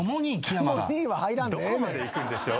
どこまでいくんでしょう？